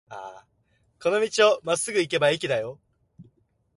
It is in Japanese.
この道をまっすぐ行けば駅だよ。